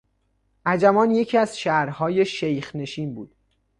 عجمان یکی از شهرهای شیخ نشین بود.